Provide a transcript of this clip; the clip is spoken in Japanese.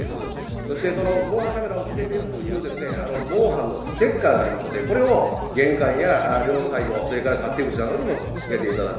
そして、防犯カメラをつけているという防犯のステッカーがありますので、これを玄関や両サイド、勝手口などにもつけていただく。